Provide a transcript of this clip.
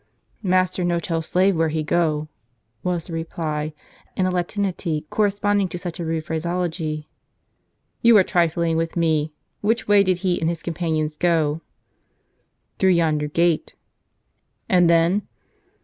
" Master no tell slave where he go," was the reply, in a latinity corresponding to such a rude phraseology. " You are trifling with me. "Which way did he and his companions go? "" Through yonder gate." "And then?"